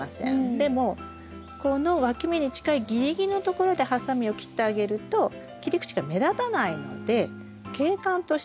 でもこのわき芽に近いギリギリのところでハサミを切ってあげると切り口が目立たないので景観としてきれいに見えます。